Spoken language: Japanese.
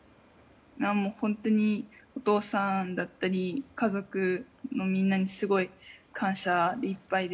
本当にお父さんだったり家族のみんなにすごい感謝でいっぱいで